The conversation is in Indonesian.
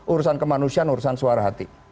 urusan kemanusiaan urusan suara hati